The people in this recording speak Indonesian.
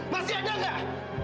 masih ada nggak